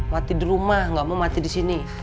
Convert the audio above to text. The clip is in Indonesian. mati di rumah gak mau mati disini